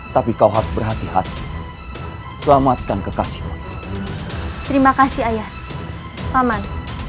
terima kasih ayah paman